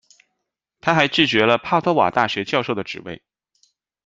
他还拒绝了帕多瓦大学教授的职位。